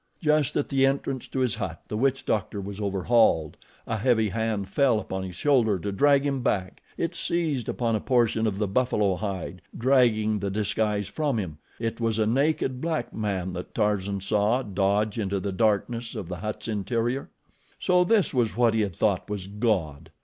Just at the entrance to his hut the witch doctor was overhauled. A heavy hand fell upon his shoulder to drag him back. It seized upon a portion of the buffalo hide, dragging the disguise from him. It was a naked black man that Tarzan saw dodge into the darkness of the hut's interior. So this was what he had thought was God!